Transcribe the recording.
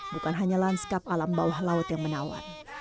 bukan hanya lanskap alam bawah laut yang menawan